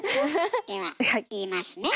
では言いますね。